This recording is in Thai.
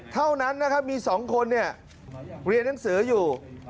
เท่านั้นนะครับมี๒คนเรียนหนังสืออยู่